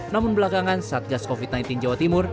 namun belakangan saat gas covid sembilan belas jawa timur